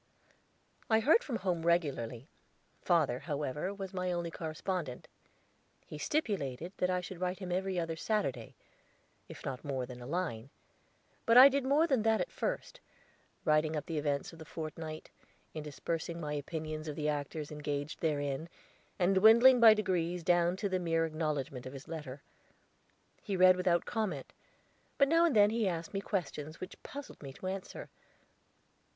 I heard from home regularly; father, however, was my only correspondent. He stipulated that I should write him every other Saturday, if not more than a line; but I did more than that at first, writing up the events of the fortnight, interspersing my opinions of the actors engaged therein, and dwindling by degrees down to the mere acknowledgment of his letter. He read without comment, but now and then he asked me questions which puzzled me to answer.